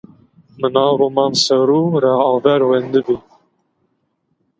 Mı na roman serru ra aver wendi bi.